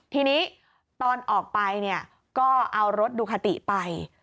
ทีนี้ตอนออกไปเนี่ยก็เอารถดูคาติไป